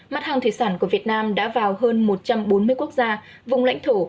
mặt hàng thủy sản của việt nam đã vào hơn một trăm bốn mươi quốc gia vùng lãnh thổ